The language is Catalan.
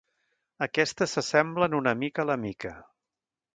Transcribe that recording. Aquestes s'assemblen una mica a la mica.